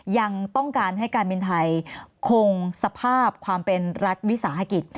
ยังต้องการให้การบินไทยคงสภาพความเป็นรัฐวิสาหกิจ